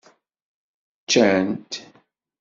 Ccant.